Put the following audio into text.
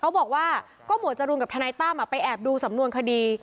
บอกว่าก็หมวดจรูนกับทนายตั้มไปแอบดูสำนวนคดี